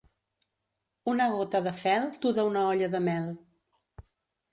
Una gota de fel tuda una olla de mel.